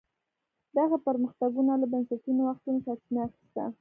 دغه پرمختګونو له بنسټي نوښتونو سرچینه اخیسته.